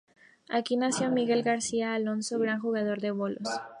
Aquí nació Miguel García Alonso, gran jugador de bolos.